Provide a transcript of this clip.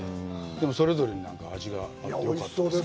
でも、それぞれに味があってよかったです。